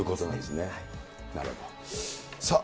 なるほど。